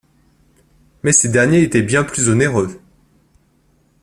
Mais ces derniers étaient bien plus onéreux.